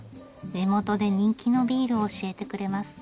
地元で人気のビールを教えてくれます。